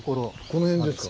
この辺ですか。